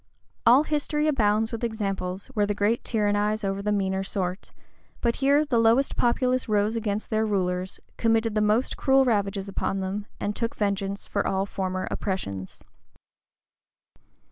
All history abounds with examples where the great tyrannize over the meaner sort; but here the lowest populace rose against their rulers, committed the most cruel ravages upon them, and took vengeance for all former oppressions.